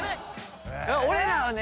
俺らはね